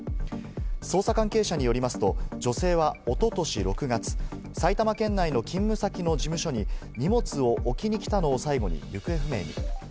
捜査関係者によりますと、女性は一昨年６月、埼玉県内の勤務先の事務所に荷物を置きに来たのを最後に行方不明に。